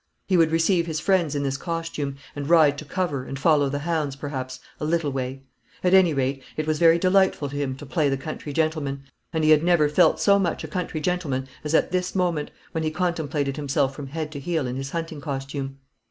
He would receive his friends in this costume, and ride to cover, and follow the hounds, perhaps, a little way. At any rate, it was very delightful to him to play the country gentleman; and he had never felt so much a country gentleman as at this moment, when he contemplated himself from head to heel in his hunting costume.